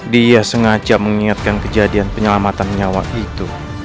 dia sengaja mengingatkan kejadian penyelamatan nyawa itu